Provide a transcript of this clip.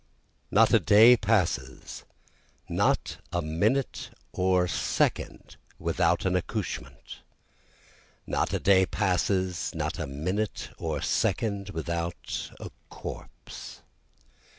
2 Not a day passes, not a minute or second without an accouchement, Not a day passes, not a minute or second without a corpse.